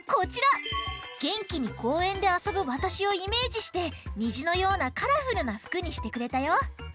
げんきにこうえんであそぶわたしをイメージしてにじのようなカラフルなふくにしてくれたよ！